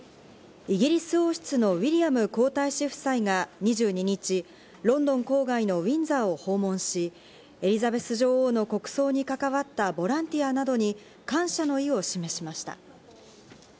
イギリス王室のウィリアム皇太子夫妻が２２日、ロンドン郊外のウィンザーを訪問し、エリザベス女王の国葬に関わったボランティアなどに感謝の意を示しました。